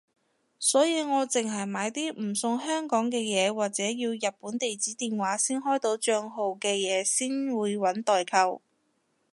所以我淨係買啲唔送香港嘅嘢或者要日本地址電話先開到帳號嘅嘢先會搵代購